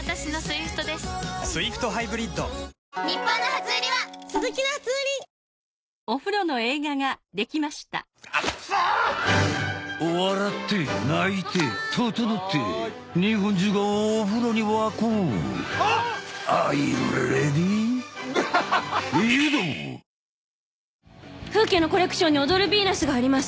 フウ家のコレクションに踊るビーナスがあります。